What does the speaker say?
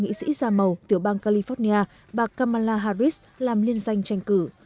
nghị sĩ da màu tiểu bang california bà kamala harris làm liên danh tranh cử